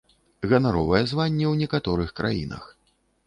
Ганаровае званне ў некаторых краінах.